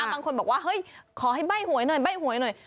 บางคนบอกว่าเฮ้ยขอให้ใบ้หวยหน่อยใบ้หวยหน่อย